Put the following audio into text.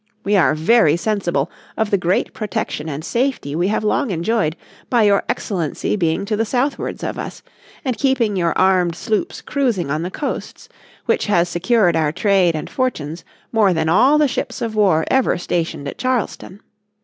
We are very sensible of the great protection and safety we have long enjoyed, by your Excellency being to the southwards of us, and keeping your armed sloops cruising on the coasts, which has secured our trade and fortunes more than all the ships of war ever stationed at Charleston.